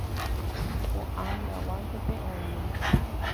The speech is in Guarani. Ko'ag̃aguánte pe oĩva.